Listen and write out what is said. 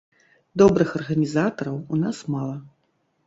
Добрых арганізатараў у нас мала.